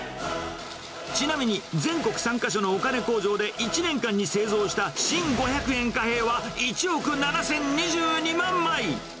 ちなみに全国３か所のお金工場で１年間に製造した新五百円貨幣は１億７０２２万枚。